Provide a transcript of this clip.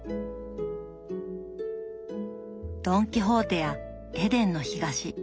「ドン・キホーテ」や「エデンの東」。